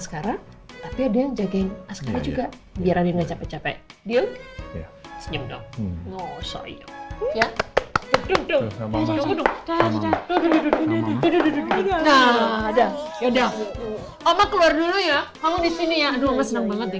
sekarang tapi ada yang jagain askara juga biar andien gak capek capek senyum dong